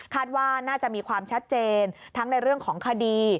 ว่าน่าจะมีความชัดเจนทั้งในเรื่องของคดี